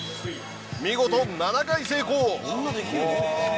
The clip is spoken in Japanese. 見事７回成功！